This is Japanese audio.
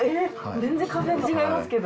全然違いますけど。